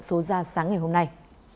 số ra sáng ngày hôm nay